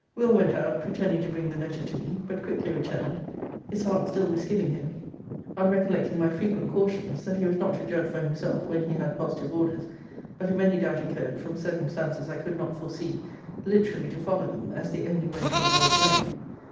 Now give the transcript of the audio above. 'Will. went out, pretending to bring the letter to me; but quickly returned; his heart still misgiving him, on recollecting my frequent cautions, that he was not to judge for himself, when he had positive orders; but if any doubt occurred, from circumstances I could not foresee, literally to follow them, as the only way to avoid blame.